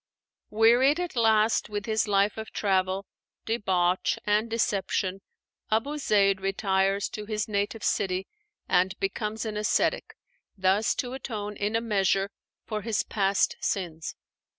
Wearied at last with his life of travel, debauch, and deception, Abu Zeid retires to his native city and becomes an ascetic, thus to atone in a measure for his past sins.